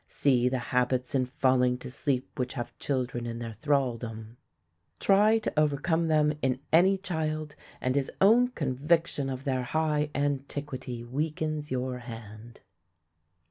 See the habits in falling to sleep which have children in their thralldom. Try to overcome them in any child, and his own conviction of their high antiquity weakens your hand.